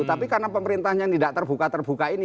tapi karena pemerintahnya yang tidak terbuka terbuka ini